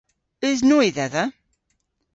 Eus noy dhedha?